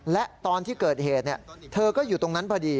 และตอนที่เกิดเหตุเธอก็อยู่ตรงนั้นพอดี